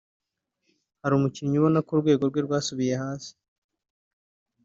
Hari umukinnyi ubona ko urwego rwe rwasubiye hasi